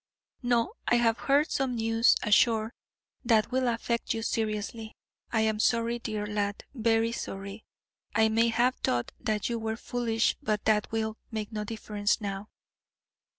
"No, I have heard some news ashore that will affect you seriously. I am sorry, dear lad, very sorry. I may have thought that you were foolish, but that will make no difference now."